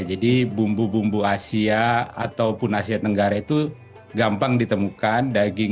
jadi bumbu bumbu asia ataupun asia tenggara itu gampang ditemukan